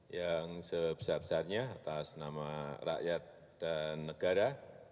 yang sebesar besarnya atas nama rakyat dan negara